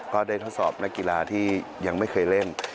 ก็ได้ทดสอบนักกีฬาที่ยังไม่เคยเล่น